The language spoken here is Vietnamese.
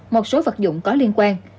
một số vật dụng có liên quan